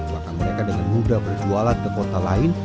maka mereka dengan mudah berjualan ke kota lain